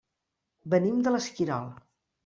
Venim de l'Esquirol.